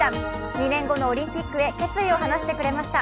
２年後のオリンピックへ決意を話してくれました。